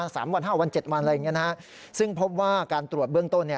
๓วัน๕วัน๗วันอะไรอย่างเงี้ยนะครับซึ่งพบว่าการตรวจเบื้องกระโดนเนี่ย